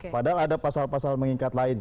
padahal ada pasal pasal mengikat lain